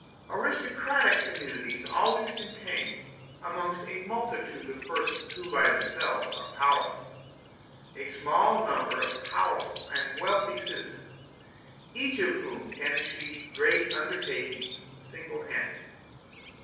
Aristocratic communities always contain, amongst a multitude of persons who by themselves are powerless, a small number of powerful and wealthy citizens, each of whom can achieve great undertakings single handed.